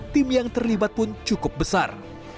tim yang terlibat pun cukup besar